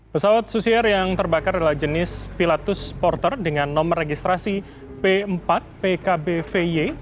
pesawat susier yang terbakar adalah jenis pilatus porter dengan nomor registrasi p empat pkb vy